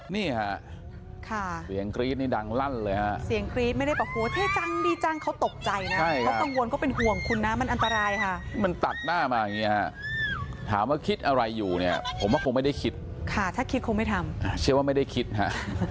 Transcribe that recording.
นี่ค่ะเสียงกรี๊ดนี่ดังลั่นเลยฮะเสียงกรี๊ดไม่ได้แบบโหเท่จังดีจังเขาตกใจนะเขากังวลเขาเป็นห่วงคุณนะมันอันตรายค่ะมันตัดหน้ามาอย่างนี้ฮะถามว่าคิดอะไรอยู่เนี่ยผมว่าคงไม่ได้คิดค่ะถ้าคิดคงไม่ทำเชื่อว่าไม่ได้คิดฮะ